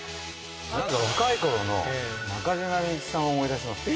なんか若い頃の中島みゆきさんを思い出しますね。